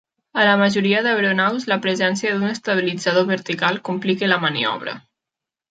En la majoria d'aeronaus, la presència d'un estabilitzador vertical complica la maniobra.